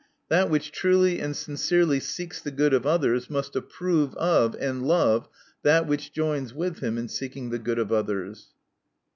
That which truly and sincerely seeks the good of others, must approve of, and love, that which joins with him in seeking the good of others.